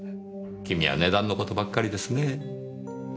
君は値段の事ばっかりですねぇ。